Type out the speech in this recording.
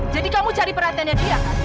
jadi kamu cari perhatiannya dia kan